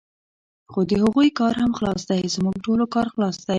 خو د هغوی کار هم خلاص دی، زموږ ټولو کار خلاص دی.